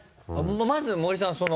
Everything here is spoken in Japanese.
まず森さん。